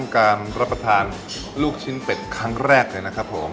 การรับประทานลูกชิ้นเป็ดครั้งแรกเลยนะครับผม